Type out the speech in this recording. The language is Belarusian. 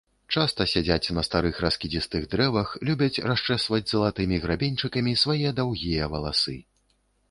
Часта сядзяць на старых раскідзістых дрэвах, любяць расчэсваць залатымі грабеньчыкамі свае даўгія валасы.